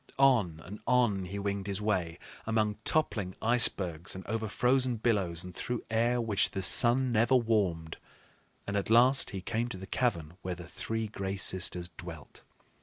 On and on he winged his way, among toppling icebergs and over frozen billows and through air which the sun never warmed, and at last he came to the cavern where the three Gray Sisters dwelt.